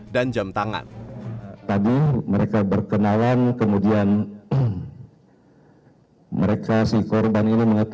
dan jam tangan